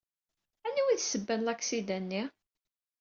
Anwa i d ssebba n laksida-nni?